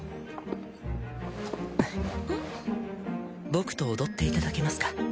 僕と踊っていただけますか？